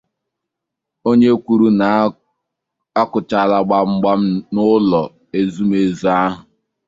onye kwuru na a kụchaala gbamgbam n'ụlọ ezumeezu ahụ